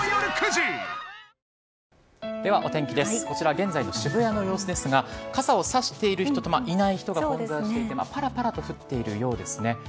こちら現在の渋谷の様子ですが傘を差している人といない人が映ってパラパラと降っているようです。